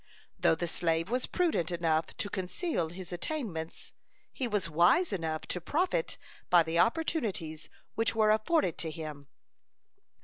Though the slave was prudent enough to conceal his attainments, he was wise enough to profit by the opportunities which were afforded to him.